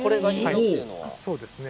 そうですね。